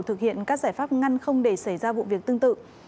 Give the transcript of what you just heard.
thực hiện các giải pháp ngăn không để xảy ra vụ việc tương tự